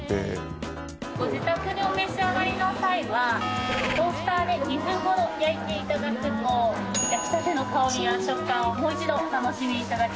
ご自宅でお召し上がりの際はトースターで２分ほど焼いて頂くと焼きたての香りや食感をもう一度お楽しみ頂けます。